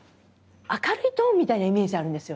明るいトーンみたいなイメージあるんですよね。